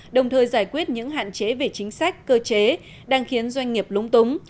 đồng thời giải quyết những hạn chế về chính sách cơ chế đang khiến doanh nghiệp lúng túng